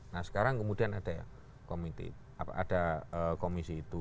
nah sekarang kemudian ada komisi itu